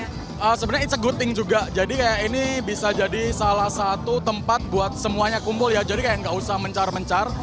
ini sebenarnya ⁇ its a good thing juga jadi kayak ini bisa jadi salah satu tempat buat semuanya kumpul ya jadi kayak nggak usah mencar mencar